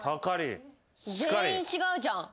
全員違うじゃん。